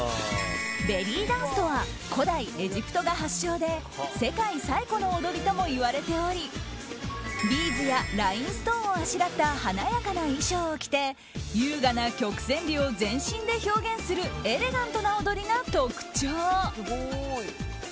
ベリーダンスとは古代エジプトが発祥で世界最古の踊りともいわれておりビーズやラインストーンをあしらった華やかな衣装を着て優雅な曲線美を全身で表現するエレガントな踊りが特徴。